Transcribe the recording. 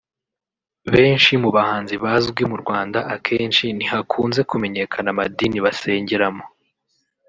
Benshi mu bahanzi bazwi mu Rwanda akenshi ntihakunze kumenyekana amadini basengeramo